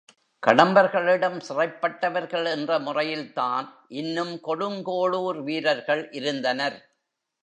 கடம்பர்களிடம் சிறைப்பட்டவர்கள் என்ற முறையில்தான் இன்னும் கொடுங்கோளூர் வீரர்கள் இருந்தனர்.